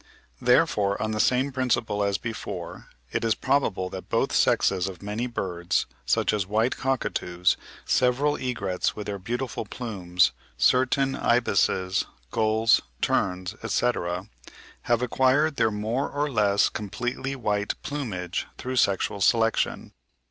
Therefore, on the same principle as before, it is probable that both sexes of many birds, such as white cockatoos, several egrets with their beautiful plumes, certain ibises, gulls, terns, etc., have acquired their more or less completely white plumage through sexual selection.